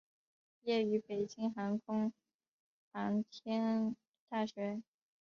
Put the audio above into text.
毕业于北京航空航天大学。